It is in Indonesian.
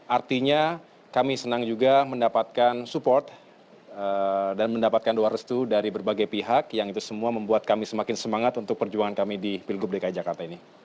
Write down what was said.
artinya kami senang juga mendapatkan support dan mendapatkan doa restu dari berbagai pihak yang itu semua membuat kami semakin semangat untuk perjuangan kami di pilgub dki jakarta ini